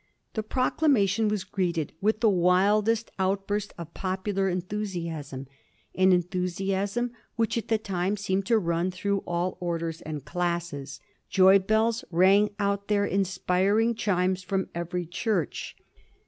The proclamation was greeted with the wildest outburst of popular enthu siasm ; an enthusiasm which at the time seemed to run through all orders and classes. Joy bells rang out their inspiring chimes from every church.